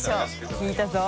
聞いたぞ。